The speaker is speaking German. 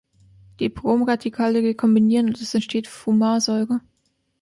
Die Bromradikale rekombinieren und es entsteht Fumarsäure.